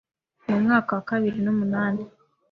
mu mwaka wa bibiri numunani